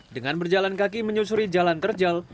dengan berjalan kaki menyusuri jalan terjal